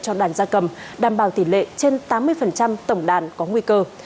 cho đàn gia cầm đảm bảo tỷ lệ trên tám mươi tổng đàn có nguy cơ